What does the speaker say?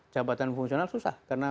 jabatan fungsional susah karena